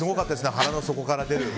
腹の底から出る。